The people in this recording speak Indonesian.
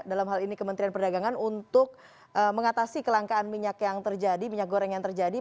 dalam hal ini kementerian perdagangan untuk mengatasi kelangkaan minyak goreng yang terjadi